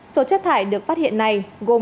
số chất thải được phát hiện này gồm